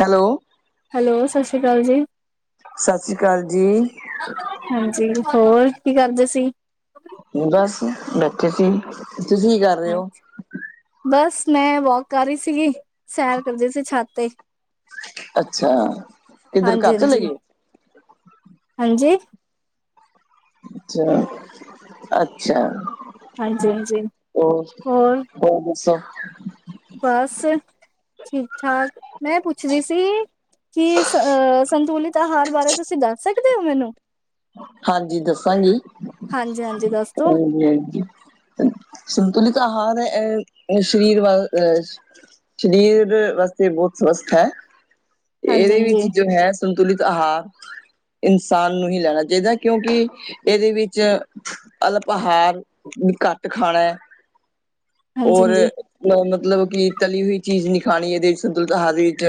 Hello hello, ਸਤਿ ਸ਼੍ਰੀ ਅਕਾਲ ਜੀ। ਸਤਿ ਸ਼੍ਰੀ ਅਕਾਲ ਜੀ। ਹਾਂਜੀ। ਹੋਰ, ਕੀ ਕਰਦੇ ਸੀ? ਓ ਗੱਸ ਬੈਠੇ ਸੀ। ਤੁਸੀਂ ਕਰ ਰਹੇ ਹੋ ਅੱਛਾ ਬਸ ਮੈਂ ਵੋਕ ਕਰ ਰਹੀ ਸੀਗੀ। ਸੈਰ ਕਰਦੇ ਸੀੇ ਛਤ ਤੇ ਅੱਛਾ। ਇੱਧਰ ਹਾਂਜੀ ਘਰ ਚਲੇ ਹਾਂਜੀ ਗਏ ਓ। ਹਾਂਜੀ ਅੱਛਾ। ਅੱਛਾ ਹਾਂਜੀ ਹਾਂਜੀ ਉਕੇ। ਹੋਰ ਦਸੋ? ਬਸ ਠੀਕ-ਠਾਕ ਮੈਂ ਪੁੱਛ ਰੀ ਸੀ ਕੀ ਸੰਤੁਲਿਤ ਆਹਾਰ ਬਾਰੇ ਤੁਸੀਂ ਦੱਸ ਸਕਦੇ ਹੋ ਮੈਨੂੰ? ਹਾਂਜੀ ਦਸਾਂਗੀ, ਹਾਂਜੀ ਹਾਂਜੀ ਦੱਸ ਦੋ ਹਾਂਜੀ-ਹਾਂਜੀ। ਸੰਤੁਲਿਤ ਆਹਾਰ ਅ ਸ਼ਰੀਰ ਵੱਲ ਅਹ ਸ਼ਰੀਰ ਵਾਸਤੇ ਬਹੁਤ ਸਵਸੱਥ ਹੈ। ਹਾਂਜੀ ਇਹਦੇ ਹਾਂਜੀ ਵਿੱਚ ਜੋ ਹੈ ਸੰਤੁਲਿਤ ਆਹਾਰ, ਇਨਸਾਨ ਨੂੰ ਹੀ ਲੈਣਾ ਆਹੀਦਾ, ਕਿਉਂਕਿ ਇਹਦੇ ਵਿੱਚ ਅਲਪਹਾਰ ਵੀ ਘੱਟ ਖਾਣਾ ਹੈ। ਹਾਂਜੀ ਔਰ ਹਾਂਜੀ ਅ ਮਤਲਬ ਕਿ ਤਲੀ ਹੋਈ ਚੀਜ਼ ਨੀ ਖਾਣੀ ਇਹਦੇ ਸਤੁਲਤ ਆਹਾਰ ਵਿੱਚ।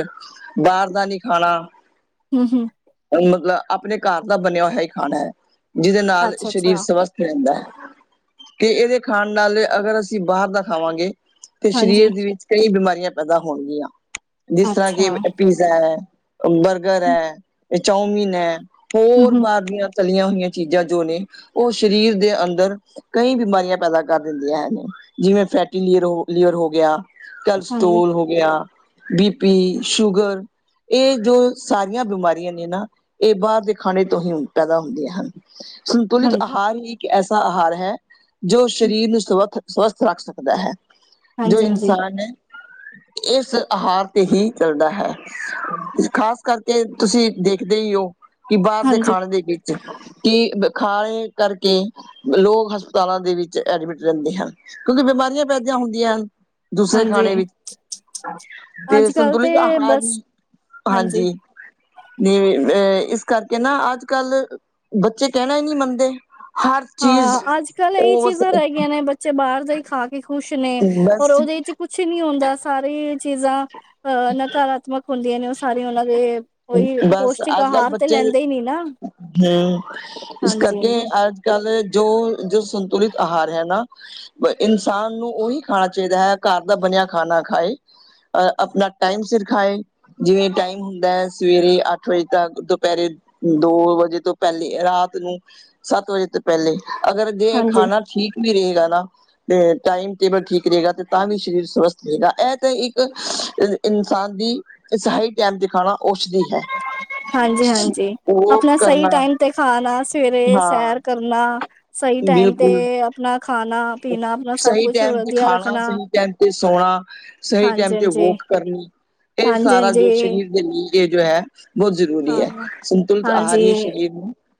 ਬਾਰ ਦਾ ਨੀ ਖਾਣਾ। [unintelligible] ਅ ਮਤਲਬ ਆਪਣੇ ਘਰ ਦਾ ਬਣਿਆ ਹੋਇਆ ਹੀ ਖਾਣਾ ਹੈ ਜਿਹਦੇ ਨਾਲ ਅੱਛਾ ਸਰੀਰ ਅੱਛਾ ਸਵਸਥ ਰਹਦਾ ਹੈ ਤੇ ਇਹਦੇ ਖਾਣ ਨਾਲ ਅਗਰ ਅਸੀਂ ਬਾਹਰ ਦਾ ਖਾਵਾਂਗੇ ਤੇ ਹਾਂਜੀ ਸਰੀਰ ਦੇ ਵਿੱਚ ਕਈ ਬਿਮਾਰੀਆਂ ਪੈਦਾ ਹੋਣਗੀਆਂ ਜਿਸ ਤਰ੍ਹਾਂ ਕਿ ਅੱਛਾ ਬਰਗਰ ਹੈ ਚਮਿਨ ਹੈ ਹਮ ਹੋਰ ਹਮ ਬਾਹਾਰ ਦੀਆਂ ਚਲੀਆਂ ਹੋਈਆਂ ਚੀਜ਼ਾਂ ਜੋ ਨੇ ਉਹ ਸਰੀਰ ਦੇ ਅੰਦਰ ਕਈ ਬਿਮਾਰੀਆਂ ਪੈਦਾ ਕਰ ਦਿੰਦੀਆਂ ਹਨ ਜਿਵੇਂ ਫੈਟੀ ਲਰ ਲੀਅਰ ਹੋ ਗਿਆ। ਹਾਂਜੀ ਕਲਸਤੋਲ ਹੋ ਗਿਆ ਬੀ ਪੀ ਸ਼ੂਗਰ ਇਹ ਜੋ ਸਾਰੀਆਂ ਬਿਮਾਰੀਆਂ ਨੇ ਨਾ ਇਹ ਬਾਹਰ ਦੇ ਖਾਣੇ ਤੋਂ ਹੀ ਪੈਦਾ ਹੁੰਦੀਆਂ ਹਨ ਸੰਤੁਲਿਤ ਹਾਂਜੀ ਆਹਾਰ ਹੀ ਇੱਕ ਐਸਾ ਆਹਾਰ ਹੈ ਜੋ ਸਰੀਰ ਨੂੰ ਸਵਥ ਸਵਸਥ ਰੱਖ ਸਕਦਾ ਹੈ ਜੋ ਹਾਂਜੀ ਹਾਂਜੀ ਇਨਸਾਨ ਹੈ ਇਸ ਆਹਾਰ ਤੇ ਹੀ ਕਰਦਾ ਹੈ ਖ਼ਾਸ ਕਰਕੇ ਤੁਸੀਂ ਦੇਖਦੇ ਹੀ ਹੋ ਕਿ ਬਾਹਰ ਦੇ ਹਾਂਜੀ ਖਾਣੇ ਦੇ ਵਿੱਚ ਕੀ ਖਾ ਕਰਕੇ ਲੋਕ ਹਸਪਤਾਲਾਂ ਦੇ ਵਿੱਚ ਐਡਮਿਟ ਰਹਿੰਦੇ ਹਨ ਕਿਉਂਕਿ ਬਿਮਾਰੀਆਂ ਪੈਦੀਆਂ ਹੁੰਦੀਆਂ ਹਨ। ਦੂਸਰੇ ਹਾਂਜੀ ਖਾਣੇ ਵੀ ਤੇ ਅੱਜ ਕੱਲ ਸੰਤੁਲਿਤ ਹਾਂਜੀ ਬਸ ਹੀ ਹਾਂਜੀ ਨ ਅ ਇਸ ਕਰਕੇ ਨਾ ਅੱਜ ਕੱਲ ਬੱਚੇ ਕਹਿਣਾ ਹੀ ਨਹੀਂ ਮੰਨਦੇ ਹਰ ਚੀਜ਼ ਹਾਂ ਅੱਜ ਕੱਲ ਇਹੀ ਉਹ ਬਸ ਚੀਜ਼ਾਂ ਰਹਿ ਗਈਆਂ ਨੇ ਬੱਚੇ ਬਾਹਰ ਦਾ ਹੀ ਖਾ ਕੇ ਖੁਸ਼ ਨੇ ਔਰ ਬਸ ਉਹਦੇ ਚ ਕੁਛ ਨੀ ਆਉਂਦਾ ਸਾਰੇ ਚੀਜ਼ਾਂ ਅਹ ਨਾ ਨਾਕਰਆਤਮਾ ਹੁੰਦੀਆਂ ਨੇ ਉਹ ਸਾਰੇ ਉਹਨਾਂ ਦੇ ਉਹੀ ਬਸ ਪੌਸ਼ਟਿਕ ਅੱਜ ਕੱਲ ਆਹਾਰ ਤੇ ਬੱਚੇ ਲੈਂਦੇ ਹੀ ਨੀ ਨਾ ਹੂ ਇਸ ਹਾਂਜੀ ਕਰਕੇ ਹਾਂਜੀ ਅੱਜ ਅੱਜ ਕੱਲ ਜੋ ਜੋ ਸੰਤੁਲਿਤ ਆਹਾਰ ਹੈ ਨਾ ਇਨਸਾਨ ਨੂੰ ਉਹੀ ਖਾਣਾ ਚਾਹੀਦਾ ਹੈ ਘਰ ਦਾ ਬਣਿਆ ਖਾਣਾ ਖਾਏ ਅ ਆਪਣਾ ਟਾਈਮ ਸਿਰ ਖਾਏ ਜਿਵੇਂ ਟਾਈਮ ਹੁੰਦਾ ਹੈ। ਸਵੇਰੇ ਅੱਠ ਵਜੇ ਤੱਕ ਦੁਪਹਿਰੇ ਦੋ ਵਜੇ ਤੋਂ ਪਹਿਲੇ ਰਾਤ ਨੂੰ ਸੱਤ ਵਜੇ ਤੋਂ ਪਹਿਲੇ ਅਗਰ ਜੇ ਹਾਂਜੀ ਖਾਣਾ ਠੀਕ ਵੀ ਰਹੇਗਾ ਨਾ ਟਾਈਮ ਟੇਬਲ ਠੀਕ ਰਹੇਗਾ ਤੇ ਤਾਂ ਵੀ ਸਰੀਰ ਸਵਸਥ ਰਹੇਗਾ ਇਹ ਤਾਂ ਇੱਕ ਇਨਸਾਨ ਦੀ ਸਹਾਹੀ ਟਾਈਮ ਦਿਖਾਵਾਂ ਉਸ ਦੀ ਹੈ। ਹਾਂਜੀ ਹਾਂਜੀ ਉਹ ਆਪਣਾ ਸਹੀ ਕਰਨਾ ਟਾਈਮ ਤੇ ਖਾਣਾ ਸਵੇਰੇ ਹਾਂ ਸੈਰ ਕਰਨਾ ਸਹੀ ਟਾਈਮ ਤੇ ਬਿਲਕੁਲ ਆਪਣਾ ਖਾਣਾ ਪੀਣਾ ਆਪਣਾ ਸਭ ਸਹੀ ਕੁਛ ਟਾਈਮ ਤੇ ਵਧੀਆ ਖਾਣਾ ਰੱਖਣਾ ਸਹੀ ਟਾਈਮ ਤੇ ਸੋਣਾ ਸਹੀ ਟਾਈਮ ਹਾਂਜੀ ਤੇ ਹਾਂਜੀ ਵੋਕ ਕਰਨੀ ਇਹ ਹਾਂਜੀ ਸਾਰਾ ਜੋ ਹਾਂਜੀ ਸਰੀਰ ਦੇ ਲਈ ਇਹ ਜੋ ਹੈ ਬਹੁਤ ਜ਼ਰੂਰੀ ਹੈ ਹਾਂ ਸੰਤੁਲਤ ਆਹਾਰ ਹੀ ਹਾਂਜੀ ਸ਼ਰੀਰ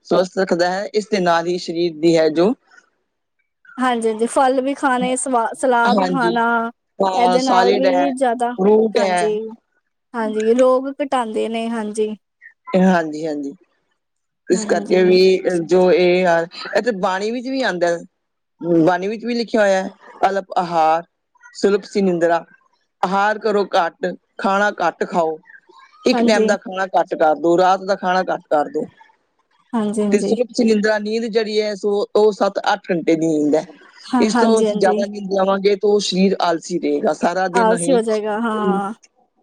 ਸੁਣ ਸਕਦਾ ਹੈ ਇਸ ਦੇ ਨਾਲ ਹੀ ਸਰੀਰ ਦੀ ਹੈ ਜੋ ਹਾਂਜੀ ਹਾਂਜੀ ਫਲ ਵੀ ਖਾਣੇ ਸਵਾ ਸਲਾਦ ਹਾਂਜੀ ਖਾਣਾ ਅ ਇਹਦੇ ਨਾਲ ਸਾਲਿਡ ਹੈ, ਵੀ ਜ਼ਿਆਦਾ ਫਰੂਟ ਹੈ, ਹਾਂਜੀ ਹਾਂਜੀ ਲੋਕ ਘਟਾਉਂਦੇ ਨੇ ਹਾਂਜੀ ਹਾਂਜੀ ਹਾਂਜੀ ਹਾਂਜੀ ਇਸ ਕਰਕੇ ਵੀ ਜੋ ਇਹ ਯਾਰ ਇੱਥੇ ਬਾਣੀ ਵਿੱਚ ਵੀ ਆਉਂਦਾ ਬਾਣੀ ਵਿੱਚ ਵੀ ਲਿਖਿਆ ਹੋਇਆ ਅਲਪ ਆਹਾਰ ਸੁਲਪ ਸਿੰਦਰਾ ਆਹਾਰ ਕਰੋ ਘੱਟ ਖਾਣਾ ਘੱਟ ਖਾਓ ਇੱਕ ਟਾਈਮ ਦਾ ਹਾਂਜੀ-ਹਾਂਜੀ-ਹਾਂਜੀ ਖਾਣਾ ਘੱਟ ਕਰਦੋ ਰਾਤ ਦਾ ਖਾਣਾ ਘੱਟ ਕਰਦੋ ਹਾਂਜੀ ਹਾਂਜੀ ਨਿੰਦਰਾ ਨੀਂਦ ਜਿਹੜੀ ਹੈ ਸੋ ਉਹ ਸੱਤ ਅੱਠ ਘੰਟੇ ਦੀ ਨੀਂਦ ਹੈ। ਹਾਂ ਇਸ ਤੋਂ ਹਾਂਜੀ-ਹਾਂਜੀ ਜਿਆਦਾ ਨੀਂਦ ਜਾਵਾਂਗੇ ਤੇ ਉਹ ਸਰੀਰ ਆਲ ਰਹੇਗਾ ਸਾਰਾ ਦਿਨ ਆਲਸੀ ਅਸੀ ਹੋ ਜਾਏਗਾ ਹਾਂ।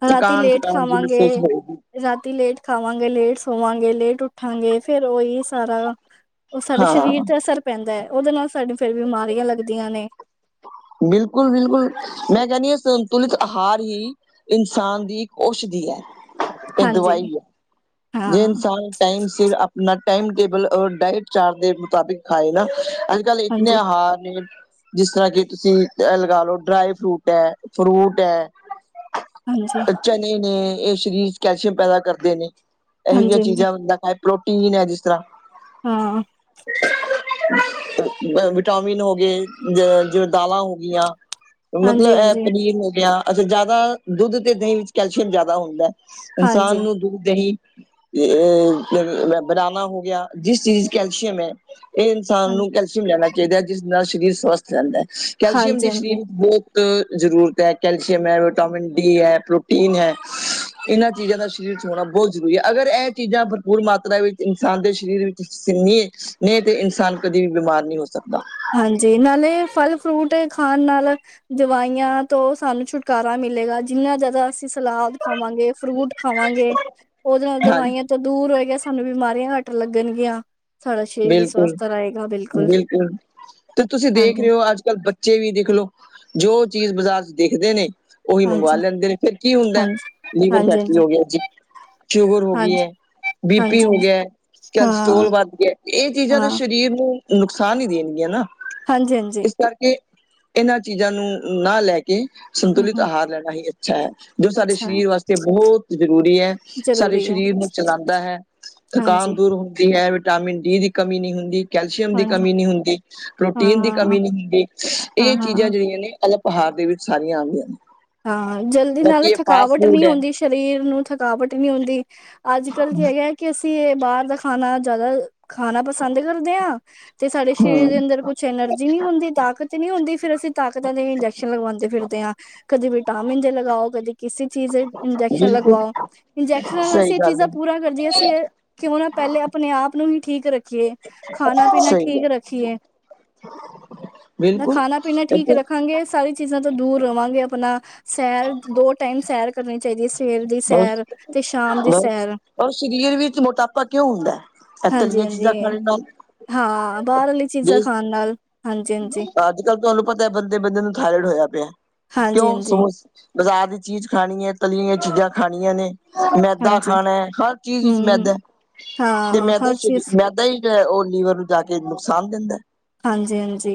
ਰਾਤੀ ਥਕਾਨ ਲੇਟ ਥਕਾਨ ਜੇਈ ਖਾਵਾਂਗੇ ਮਹਿਸੂਸ ਹੋਏਗੀ ਰਾਤੀ ਲੇਟ ਖਾਵਾਂਗੇ ਲੇਟ ਸੋਵਾਂਗੇ ਲੇਟ ਉੱਠਾਂਗੇ ਫੇਰ ਉਹੀ ਸਾਰਾ ਉਹ ਸਾਡੇ ਹਾਂ ਸਰੀਰ ਤੇ ਅਸਰ ਪੈਂਦਾ ਹੈ ਉਹਦੇ ਨਾਲ ਸਾਾਨੂੰ ਫੇਰ ਬਿਮਾਰੀਆਂ ਲੱਗਦੀਆਂ ਨੇ ਬਿਲਕੁਲ ਬਿਲਕੁਲ ਮੈਂ ਕਹਿਣੀ ਆ ਸੰਤੁਲਿਤ ਆਹਾਰ ਹੀ ਇਨਸਾਨ ਦੀ ਔਸ਼ਧੀ ਐ ਇਹ ਹਾਂਜੀ ਦਵਾਈ ਐ ਜੇ ਹਾਂ ਇਨਸਾਨ ਟਾਈਮ ਸਿਰ ਆਪਣਾ ਟਇਮ ਟੇਬਲ ਔਰ ਡਾਇਟ ਚਾਰਟ ਦੇ ਮੁਤਾਬਿਕ ਖਾਏ ਨਾ ਅ ਗੱਲ ਇਤਨੇ ਆਹਾਰ ਨੇ ਜਿਸ ਤਰ੍ਹਾਂ ਕਿ ਤੁਸੀ ਲਗਾ ਲਓ ਡਰਾਈ ਫਰੂਟ ਐ ਫਰੂਟ ਐ। ਹਾਂਜੀ- ਕੱਚ ਨੇ ਨੇ ਇਹ ਸਰੀਰ 'ਚ ਕੈਲਸ਼ੀਅਮ ਪੈਦਾ ਕਰਦੇ ਨੇ ਇਹੋ ਜਿਹੀਆਂ ਚੀਜ਼ਾਂ ਬੰਦਾ ਖਾਏ ਪ੍ਰੋਟੀਨ ਹੈ। ਜਿਸ ਤਰ੍ਹਾਂ ਹਾਂ- ਵਿਟਾਮਿਨ ਹੋ ਗਏ ਜਿਵੇ ਦਾਲਾ ਹੋ ਗੀਆਂ ਮਤਲਬ ਇਹ ਹਾਂਜੀ-ਹਾਂਜੀ-ਹਾਂਜੀ। ਪਨੀਰ ਹੋ ਗਿਆ ਅਛਾ ਜਿਆਦਾ ਦੁੱਧ ਤੇ ਦਹੀ ਵਿਚ ਕੈਲਸ਼ੀਅਮ ਜਿਆਦਾ ਹੁੰਦਾ ਇਨਸਾਨ ਨੂੰ ਦੁਧ ਦਹੀ- ਬਨਾਨਾ ਹੋ ਗਿਆ ਜਿਸ ਚੀਜ਼ ਚ ਕੈਲਸ਼ੀਅਮ ਹੈ। ਇਹ ਇਨਸਾਨ ਹਾਂ ਨੂੰ ਕੈਲਸ਼ੀਅਮ ਲੈਣਾ ਚਾਹੀਦਾ ਹੈ। ਜਿਸ ਨਾਲ ਸਰੀਰ ਸਵਸਥ ਜਾਦਾ ਹੈ ਕੈਲਸ਼ੀਅਮ ਹਾਂਜੀ ਦੀ ਹਾਂਜੀ ਸਰੀਰ ਵਿਚ ਬਹੁਤ ਜ਼ਰੂਰਤ ਐ ਕੈਲਸ਼ੀਅਮ ਐ ਵਿਟਾਮਿਨ ਡੀ ਐ ਪ੍ਰੋਟੀਨ ਹੈ। ਇਹਨਾ ਚੀਜਾ ਦਾ ਸਰੀਰ ਹੋਣਾ ਬਹੁਤ ਜ਼ਰੂਰੀ ਹੈ। ਅਗਰ ਇਹ ਚੀਜਾ ਭਰਪੂਰ ਮਾਤਰਾ ਵਿਚ ਇਨਸਾਨ ਦੇ ਸਰੀਰ ਵਿਚ ਸੀ। ਨਹੀ ਤੇ ਇਨਸਾਨ ਕਦੇ ਵੀ ਬਿਮਾਰ ਨਹੀ ਹੋ ਸਕਦਾ ਹਾਂਜੀ ਨਾਲੇ ਫਲ ਫਰੂਟ ਖਾਣ ਨਾਲ ਦਵਾਈਆਂ ਤੋਂ ਸਾਨੂੰ ਛੁਟਕਾਰਾ ਮਿਲੇਗਾ ਜਿਨਾ ਜ਼ਿਆਦਾ ਅਸੀ ਸਲਾਦ ਖਾਵਾਗੇ ਫਰੂਟ ਖਾਵਾਂਗੇ ਉਹਦੇ ਨਾਲ ਹਾਂਜੀ ਦਵਾਈਆਂ ਤੋਂ ਦੂਰ ਹੋ ਗਿਆ ਸਾਨੂੰ ਬਿਮਾਰੀਆਂ ਘੱਟ ਲੱਗਣਗੀਆਂ ਸਾਡਾ ਸਰੀਰ ਵੀ ਬਿਲਕੁਲ ਸਵਸਥ ਰਹੇਗਾ ਬਿਲਕੁਲ ਤੇ ਤੁਸੀ ਦੇਖ ਹਾਂਜੀ ਰਹੇ ਹੋ ਅਜ ਕਲ ਬੱਚੇ ਵੀ ਦੇਖ ਲਓ ਜੋ ਚੀਜ ਬਾਜ਼ਾਰ 'ਚ ਦੇਖਦੇ ਨੇ ਉਹੀ ਮੰਗਵਾ ਹਾਂਜੀ ਲੈਦੇ ਨੇ ਫਿਰ ਕੀ ਹੁੰਦਾ ਹਾਂਜੀ ਲੀਵਰ ਫੈਟੀ ਹਾਂਜੀ ਹੋ ਗਿਆ ਜੀ। ਸ਼ੂਗਰ ਹੋ ਗਈ ਹਾਂਜੀ ਐ ਬੀ ਪੀ ਹਾਂਜੀ ਹੋ ਹਾਂਜੀ ਗਿਆ ਕੈਲਸਟੋਲ ਹਾਂ ਵਧ ਗਿਆ ਇਹ ਚੀਜਾ ਦਾ ਹਾਂ ਸਰੀਰ ਸਰੀਰ ਨੂੰ ਨੁਕਸਾਨ ਹੀ ਦੇਣਗੀਆਂ ਨਾ ਹਾਂਜੀ- ਹਾਂਜੀ- ਇਸ ਕਰਕੇ ਇਹਨਾਂ ਚੀਜ਼ਾਂ ਨੂੰ ਨਾ ਲੈ ਕੇ ਹਮ ਸੰਤੁਲਿਤ ਹਮ ਆਹਾਰ ਲੈਣਾ ਹੀ ਅਛਾ ਹੈ। ਜੋ ਸਾਡੇ ਅੱਛਾ ਹੈ ਸਰੀਰ ਵਾਸਤੇ ਬਹੁਤ ਜ਼ਰੂਰੀ ਹੈ। ਸਾਡੇ ਜ਼ਰੂਰੀ ਹੈ ਸਰੀਰ ਨੂੰ ਚਲਾਉਦਾ ਹੈ। ਹਾਂਜੀ ਥਕਾਨ ਦੂਰ ਹੁਦੀ ਹੈ। ਵਿਟਾਮਿਨ ਡੀ ਦੀ ਕਮੀ ਨਹੀ ਹੁਦੀ। ਕੈਲਸ਼ੀਅਮ ਦੀ ਹਾਂਜੀ ਕਮੀ ਨਹੀ ਹੁੰਦੀ ਹਾਂ ਪ੍ਰੋਟੀਨ ਦੀ ਕਮੀ ਹਾਂ ਨਹੀ ਹੁੰਦੀ ਹਾਂ ਇਹ ਹਾਂ ਚੀਜਾ ਜਿਹੜੀਆਂ ਨੇ ਅਲੱ ਆਹਾਰ ਦੇ ਵਿਚ ਸਾਰੀਆਂ ਆਉਦੀਆਂ ਨੇ ਹਾਂ ਜਲਦੀ ਬਾਕੀ ਨਾਲ ਇਹ ਫਾਸਟ ਥਕਾਵਟ ਨਹੀ ਫੂਡ ਹੈ ਹੁੰਦੀ ਸਰੀਰ ਨੂੰ ਥਕਾਵਟ ਨਹੀ ਹੁੰਦੀ ਅਜ ਕਲ ਕੀ ਹੈਗਾ। ਕਿ ਅਸੀ ਇਹ ਬਾਹਰ ਦਾ ਖਾਣਾ ਜ਼ਿਆਦਾ ਖਾਣਾ ਪਸੰਦ ਕਰਦੇ ਹਾਂ ਤੇ ਸਾਡੇ ਸਰੀਰ ਦੇ ਹਮ ਅੰਦਰ ਕੁਛ ਐਨਰਜੀ ਨਹੀ ਹੁੰਦੀ ਤਾਕਤ ਨੀ ਹੁੰਦੀ ਫੇਰ ਅਸੀ ਤਾਕਤਾਂ ਦੇ ਇੰਜੈਕਸ਼ਨ ਲਗਵਾਉਦੇ ਫਿਰਦੇ ਆਂ ਕਦੇ ਵਿਟਾਮਿਨ ਦੇ ਲਗਾਓ ਕਦੇ ਕਿਸੇ ਚੀਜ਼ ਇੰਜੈਕਸ਼ਨ ਬਿਲਕੁਲ ਲਗਵਾਓ ਇੰਜੈਕਸ਼ਨਾਂ ਨਾਲ ਸਹੀ ਅਸੀ ਇਹ ਗੱਲ ਚੀਜਾ ਹੈ ਪੂਰਾ ਕਰਦੀਏ ਅਸੀ ਇਹ ਕਿ ਉਹ ਨਾ ਪਹਿਲੇ ਆਪਣੇ ਆਪ ਨੂੰ ਵੀ ਠੀਕ ਰਖੀਏ ਖਾਣਾ ਪੀਣਾ ਸਹੀ ਠੀਕ ਗੱਲ ਰਖੀਏ ਨਾ ਬਿਲਕੁਲ ਖਾਣਾ ਪੀਣਾ ਠੀਕ ਇਥੇ ਰਖਾਗੇ ਸਾਰੀ ਚੀਜਾ ਤੋ ਦੂਰ ਰਵਾਂਗੇ ਆਪਣਾ ਸੈਰ ਦੋ ਟਾਈਮ ਸੈਰ ਕਰਨੀ ਚਾਹੀਦੀ ਐ। ਸਵੇਰ ਦੀ ਬਹੁਤ ਸੈਰ ਤੇ ਸ਼ਾਮ ਦੀ ਬਸ ਸੈਰ ਔਰ ਸਰੀਰ ਵਿੱਚ ਮੋਟਾਪਾ ਕਿਉਂ ਹੁੰਦਾ ਹੈ ਇਹ ਹਾਂਜੀ- ਤਲੀਆਂ ਹਾਂਜੀ ਚੀਜ਼ਾਂ ਖਾਣੇ ਨਾਲ ਹਾਂ ਬਾਹਰ ਵਾਲੀ ਚੀਜਾ ਖਾਣ ਨਾਲ ਹਾਂਜੀ -ਹਾਂਜੀ- ਜਦੱ ਤੁਹਾਨੂੰ ਪਤਾ ਬੰਦੇ-ਬੰਦੇ ਨੂੰ ਥਾਇਰੋਇਡ ਹੋਇਆ ਪਿਆ ਹਾਂਜੀ ਕਿਉ ਹਾਂਜੀ ਸਮੋਸ ਬਜ਼ਾਰ ਦੀ ਚੀਜ ਖਾਣੀ ਹੈ, ਤਲੀ ਹੋਈਆਂ ਚੀਜਾ ਖਾਣੀਆਂ ਨੇ। ਮੈਦਾ ਹਾਂਜੀ ਖਾਣਾ ਹੈ, ਹਰ ਚੀਜ ਵਿਚ ਹਮ ਮੈਦਾ ਤੇ ਹਾਂ ਮੈਦਾ ਹਰ ਸਰੀਰ ਚੀਜ਼ ਮੈਦਾ ਹੀ ਉਹ ਲੀਵਰ ਨੂੰ ਜਾ ਕੇ ਨੁਕਸਾਨ ਦਿੰਦਾ ਹੈ। ਹਾਂਜੀ-ਹਾਂਜੀ,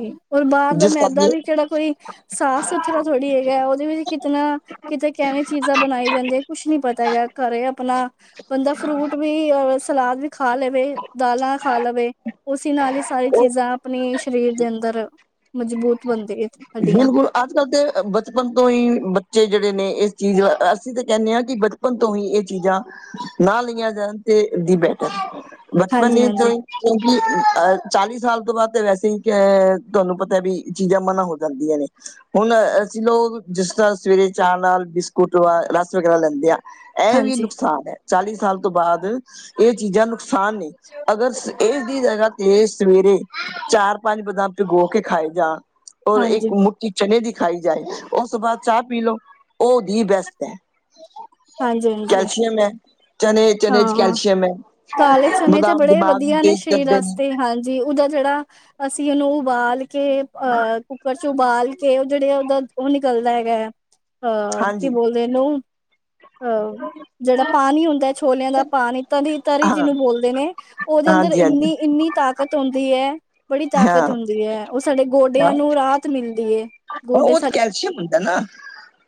ਬਾਹਰ ਦਾ ਮੈਦਾ ਕਰਕੇ ਵੀ ਕਿਹੜਾ ਕੋਈ ਸਾਫ਼ ਸੁਥਰਾ ਥੋੜ੍ਹੀ ਹੈਗਾ ਉਹਦੇ ਵਿਚ ਕਿਤਨਾ ਕਿਤੇ ਕਿਵੇ ਚੀਜਾ ਬਣਾਈਆਂ ਜਾਦੇ ਕੁਛ ਨੀ ਪਤਾ ਹੈਗਾ ਘਰੇ ਆਪਣਾ ਬੰਦਾ ਫਰੂਟ ਵੀ ਅ ਸਲਾਦ ਵੀ ਖਾ ਲਵੇ, ਦਾਲਾਂ ਖਾ ਲਵੇ, ਉਸੀ ਨਾਲ ਹੀ ਸਾਰੀ ਉਹ ਚੀਜਾ ਆਪਣੀ ਸਰੀਰ ਦੇ ਅੰ ਅੰਦਰ ਮਜ਼ਬੂਤ ਬੰਦਿ ਏ ਬਿਲਕੁਲ। ਅੱਜ-ਕੱਲ ਤੇ ਬਚਪਨ ਤੋਂ ਹੀ ਬੱਚੇ ਜਿਹੜੇ ਨੇ ਇਸ ਚੀਜ਼ ਅਸੀਂ ਤੇ ਕਹਿੰਨੇ ਆਂ ਕਿ ਬ ਬਚਪਨ ਤੋਂ ਹੀ ਇਹ ਚੀਜ਼ਾਂ ਨਾ ਲਈਆਂ ਜਾਣ ਤੇ ਦੀ ਬੈਟਰ ਹੈ ਬਚਪਨ ਵਿੱਚ ਹਾਂਜੀ-ਹਾਂਜੀ, ਹੀ ਕਿਉਂਕਿ ਅ ਚਾਲੀ ਸਾਲ ਤੋਂ ਬਾਅਦ ਤੇ ਵੈਸੇ ਹੀ ਤੁਹਾਨੂੰ ਪਤਾ ਹੈ ਬੀ ਚੀਜ਼ਾਂ ਮਨਾ ਹੋ ਜਾਂਦੀਆਂ ਨੇ। ਹੁਣ ਅਸੀਂ ਲੋਕ ਜਿਸ ਤਰ੍ਹਾਂ ਸਵੇਰੇ ਚਾਅ ਨਾਲ ਬਿਸਕੁਟ, ਵ ਰਸ ਵਗੈਰਾ ਲੈਂਦੇ ਹਾਂ। ਇਹ ਵੀ ਹਾਂਜੀ, ਨੁਕਸਾਨ ਹੈ, ਚਾਲੀ ਸਾਲ ਤੋਂ ਬਾਅਦ ਇਹ ਚੀਜ਼ਾਂ ਨੁਕਸਾਨ ਨੇ। ਅਗਰ ਇਸਦੀ ਜਗ੍ਹਾ ਤੇ ਸਵੇਰੇ ਚਾਰ-ਪੰਜ ਬਦਾਮ ਭਿਗੋ ਕੇ ਖਾਏ ਜਾਣ ਔਰ ਇੱਕ ਹਾਂਜੀ, ਮੁ ਕਿ ਚਨੇ ਦੀ ਖਾਈ ਜਾਏ ਉਸ ਤੋਂ ਬਾਅਦ ਚਾਹ ਪੀ ਲਓ, ਉਹ ਦੀ ਬੈਸਟ ਹੈ। ਹਾਂਜੀ-ਹਾਂਜੀ। ਕੈਲਸ਼ੀਅਮ ਹੈ ਚਨੇ ਚਨੇ ਚ ਹਾਂ-ਹਾਂ, ਕੈਲਸ਼ੀਅਮ ਹੈ ਕਾਲੇ ਚਨੇ ਤੇ ਬਦਾਮ ਬੜੇ ਦਿਮਾਗ ਨੂੰ ਵਧੀਆ ਨੇ ਤੇਜ਼ ਸਰੀਰ ਕਰਦੇ ਨੇ ਵਸਤੇ ਹਾਂਜੀ। ਜੀ ਓਦਾ ਜਿਹੜਾ ਅਸੀਂ ਉਹਨੂੰ ਉਬਾਲ ਕੇ ਅਹ ਕੁੱਕਰ ਚ ਉਬਾਲ ਕੇ ਉਹ ਜਿਹੜੇ ਉਹਦਾ ਉਹ ਨਿਕਲਦਾ ਹੈਗਾ ਹੈ। ਅ ਕੀ ਬੋਲਦੇ ਓਨੂੰ? ਹ [unintelligible] ਜਿਹੜਾ ਪਾਣੀ ਹੁੰਦਾ ਛੋਲਿਆਂ ਦਾ ਪਾਣੀ ਤਰੀ-ਤਰੀ ਹਾਂ ਜਿਹਨੂੰ ਬੋਲਦੇ ਨੇ। ਉਹਦੇ ਅੰਦਰ ਹਾਂਜੀ ਹਾਂਜੀ ਇੰਨੀ-ਇੰਨੀ ਤਾਕਤ ਹੁੰਦੀ ਹੈ। ਬੜੀ ਹਾਂ ਤਾਕਤ ਹੁੰਦੀ ਹੈ, ਉਹ ਸਾਡੇ ਹਾਂ ਗੋਡਿਆਂ ਨੂੰ ਰਾਹਤ ਮਿਲਦੀ ਹੈ। ਗੋਡੇ ਸਾਡੇ ਅੱਛਾ ਹੁੰਦਾ ਹੈਨਾ।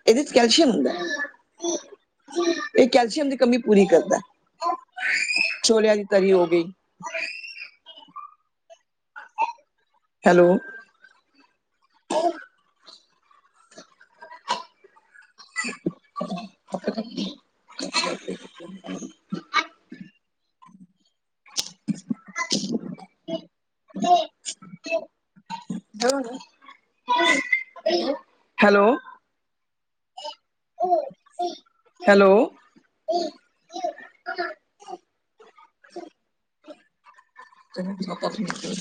ਇਹਦੇ ਚ ਕੈਲਸ਼ੀਅਮ ਹੁੰਦਾ ਇਹ ਕੈਲਸ਼ੀਅਮ ਦੀ ਕਮੀ ਪੂਰੀ ਕਰਦਾ। ਛੋਲਿਆਂ ਦੀ ਤਰੀ ਹੋ ਗਈ। ਹੈਲੋ। [unintelligible] ਅੱ [unintelligible] [unintelligible] ਹੈਲੋ। ਹੈਲੋ। ਤੈਨੂੰ ਕੀ ਪਤਾ ਠੀਕ ਏ?